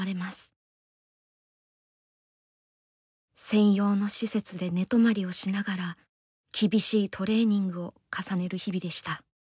専用の施設で寝泊まりをしながら厳しいトレーニングを重ねる日々でした。